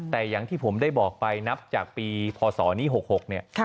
แต่อย่างที่ผมได้บอกไปนับจากปีพศนี้๖๖เนี่ย